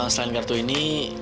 selain kartu ini